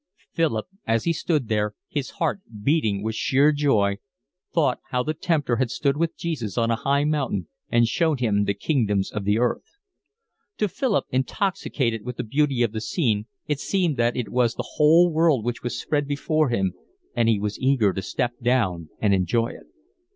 Philip, as he stood there, his heart beating with sheer joy, thought how the tempter had stood with Jesus on a high mountain and shown him the kingdoms of the earth. To Philip, intoxicated with the beauty of the scene, it seemed that it was the whole world which was spread before him, and he was eager to step down and enjoy it.